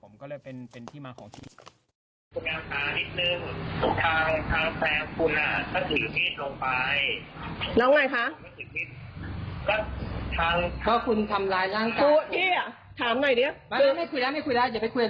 มันจะไปคุยกับพี่ลงพักดีกว่า